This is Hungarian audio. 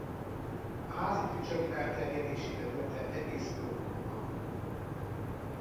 A házi tücsök elterjedési területe egész Európa.